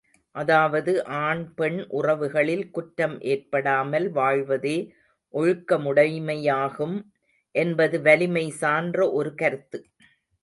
அதாவது ஆண் பெண் உறவுகளில் குற்றம் ஏற்படாமல் வாழ்வதே ஒழுக்கமுடைமையாகும் என்பது வலிமை சான்ற ஒரு கருத்து.